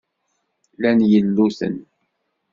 Llan yilluten.